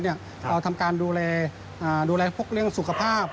เราทำการดูแลพวกเรื่องสุขภาพ